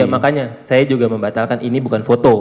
makanya saya juga membatalkan ini bukan foto